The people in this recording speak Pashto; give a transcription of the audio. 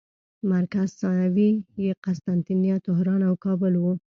مرکز ثانوي یې قسطنطنیه، طهران او کابل وو.